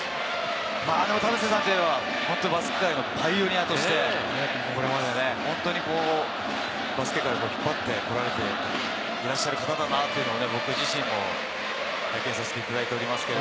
田臥さんといえば、バスケ界のパイオニアとしてこれまで本当に、バスケ界を引っ張ってこられていらっしゃる方だなと僕自身も拝見しています。